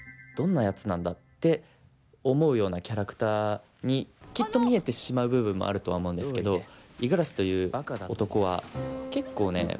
どんなやつなんだ」って思うようなキャラクターにきっと見えてしまう部分もあるとは思うんですけど五十嵐という男は結構ね